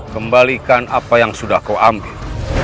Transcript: kembalikan apa yang sudah kau ambil